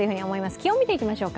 気温、見ていきましょうか。